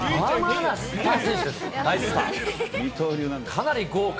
かなり豪華。